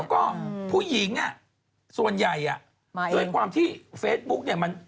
แล้วก็ผู้หญิงส่วนใหญ่ด้วยความที่เฟซบุ๊กเนี่ยมัน